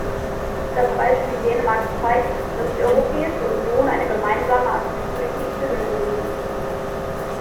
Das Beispiel Dänemark zeigt, dass die Europäische Union eine gemeinsame Asylpolitik benötigt.